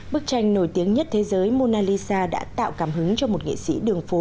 bức tranh nổi tiếng nhất thế giới mona lisa đã tạo cảm hứng cho một nghệ sĩ đường phố